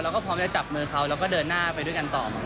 ก็พร้อมจะจับมือเขาแล้วก็เดินหน้าไปด้วยกันต่อหมด